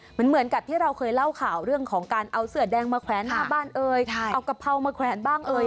เหมือนกับที่เราเคยเล่าข่าวเรื่องของการเอาเสือแดงมาแขวนหน้าบ้านเอ่ยเอากะเพรามาแขวนบ้างเอ่ย